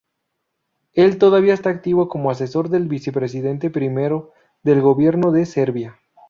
Él todavía está activo como asesor del vicepresidente primero del Gobierno de Serbia.